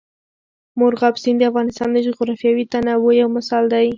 مورغاب سیند د افغانستان د جغرافیوي تنوع یو مثال دی.